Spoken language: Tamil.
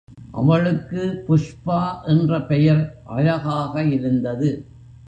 அவளுக்கு புஷ்பா என்ற பெயர் அழகாக இருந்தது.